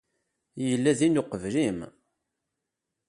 Yella din uqbel-im.